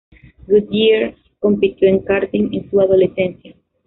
Goodyear compitió en karting en su adolescencia.